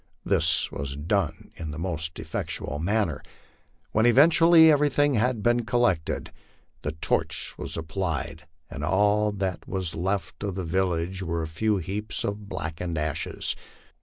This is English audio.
This was done in the most effectual manner. When everything had been collected the torch was applied, and all that was left of the village were a few heaps of blackened ashes.